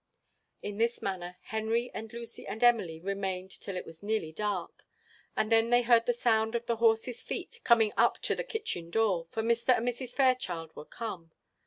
In this manner Henry and Lucy and Emily remained till it was nearly dark, and then they heard the sound of the horse's feet coming up to the kitchen door, for Mr. and Mrs. Fairchild were come.